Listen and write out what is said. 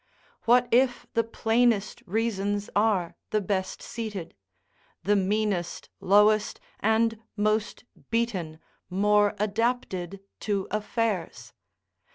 What if the plainest reasons are the best seated? the meanest, lowest, and most beaten more adapted to affairs?